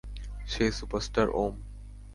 সে superstar ওম।